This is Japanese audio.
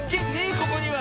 ここには。